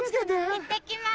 いってきます。